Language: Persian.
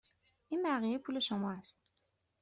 این بقیه پول شما است.